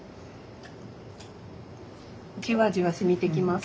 じわじわしみてきます。